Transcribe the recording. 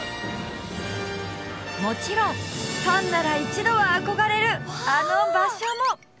もちろんファンなら一度は憧れるあの場所も！